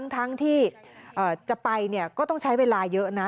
ทั้งที่จะไปก็ต้องใช้เวลาเยอะนะ